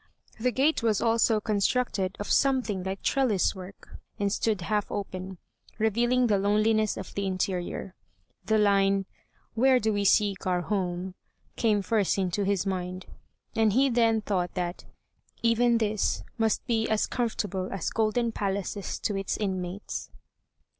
The gate was also constructed of something like trellis work, and stood half open, revealing the loneliness of the interior. The line: "Where do we seek our home?" came first into his mind, and he then thought that "even this must be as comfortable as golden palaces to its inmates."